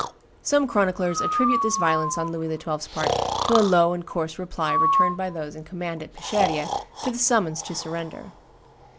Some chroniclers attribute this violence on Louis XII.'s part to a "low and coarse" reply returned by those in command at Peschiera to the summons to surrender.